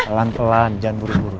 pelan pelan jangan buru buru